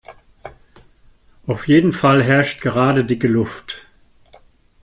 Auf jeden Fall herrscht gerade dicke Luft.